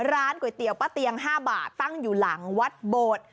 ร้านก๋วยเตี๋ยวป้าเตียง๕บาทตั้งอยู่หลังวัดโบด